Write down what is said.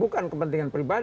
bukan kepentingan pribadi